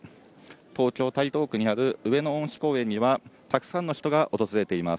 東京・台東区にある上野恩賜公園にはたくさんの人が訪れています。